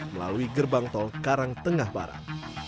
melalui gerbang tol karangtengah barat